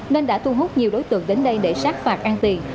nên đã thu hút nhiều đối tượng đến đây để sát phạt ăn tiền